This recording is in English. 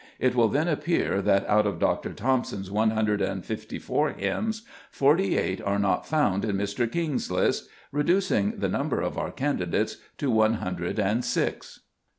It will then appear that out of Dr. Thompson's one hundred and fifty four hymns, forty eight are not found in Mr. King's list, reducing the number of our candidates to one hundred and six.